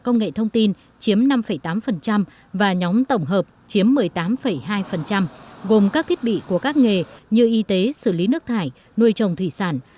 nuôi trồng thủy sản